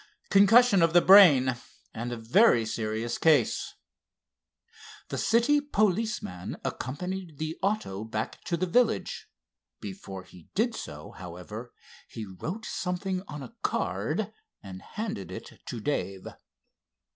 "Concussion of the brain, and a very serious case." The city policeman accompanied the auto back to the village. Before he did so, however, he wrote something on a card and handed it to Dave.